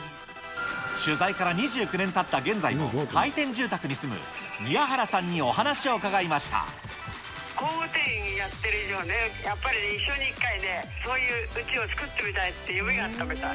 取材から２９年たった現在も回転住宅に住む宮原さんにお話を伺い工務店をやってる以上ね、やっぱり一生に一回ね、そういううちを作ってみたいっていう夢があったみたい。